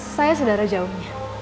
saya sodara jaungenya